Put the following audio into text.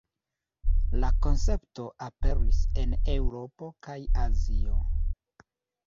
La koncepto aperis en Eŭropo kaj Azio.